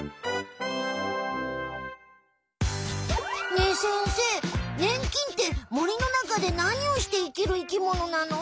ねえ先生ねん菌って森の中で何をして生きる生きものなの？